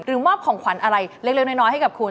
มอบของขวัญอะไรเล็กน้อยให้กับคุณ